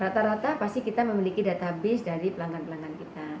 rata rata pasti kita memiliki database dari pelanggan pelanggan kita